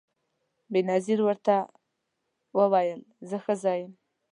بېنظیر ورته وویل زه ښځه یم